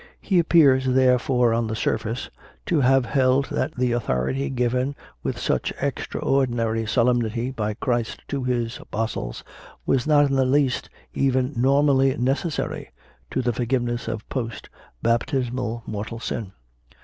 He appears, therefore, on the surface, to have held that the authority given with such extraordinary solemnity by Christ to His Apostles, was not in the least io CONFESSIONS OF A CONVERT even normally necessary to the forgiveness of post baptismal mortal sin.